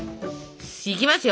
いきますよ。